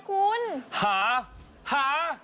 หา